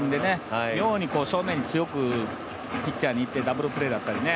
妙に正面強く、ピッチャーにいってダブルプレーだったりね。